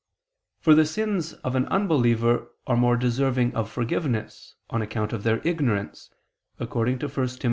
For the sins of an unbeliever are more deserving of forgiveness, on account of their ignorance, according to 1 Tim.